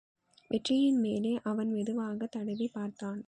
நெற்றியின் மேலே அவன் மெதுவாகத் தடவிப் பார்த்தான்.